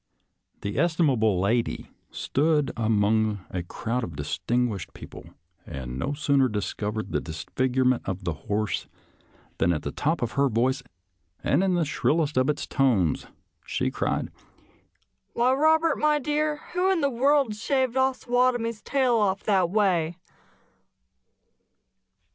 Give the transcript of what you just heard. The estimable lady stood among a crowd of distinguished people, and no soon&r discovered the disfigurement of the horse than at the top of her voice and in the shrillest of its tones, she cried, " Why, Eobert, my dear, who in the world shaved Ossawatomie's tail off that way?